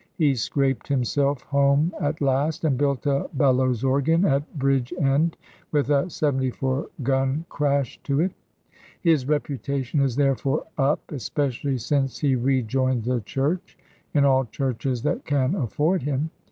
He scraped himself home at last; and built a bellows organ at Bridgend, with a 74 gun crash to it. His reputation is therefore up especially since he rejoined the Church in all churches that can afford him.